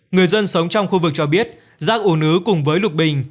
người dân sống trong khu vực cho biết rác ủ nứ cùng với lục bình